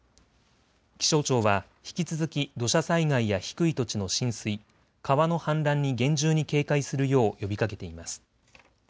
気象庁は引き続き、土砂災害や低い土地の浸水、川の氾濫に厳重に警戒するよう呼びかけています。